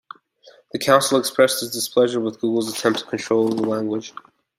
The council expressed its "displeasure" with Google's "attempts to control the language".